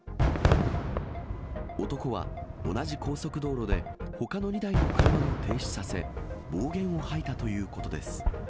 男は同じ高速道路でほかの２台の車も停止させ、暴言を吐いたということです。